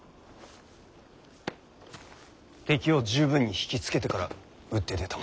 敵を十分に引き付けてから打って出たまで。